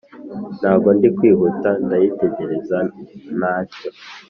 Ntago ndi kwihuta ndayitegereza ntacyo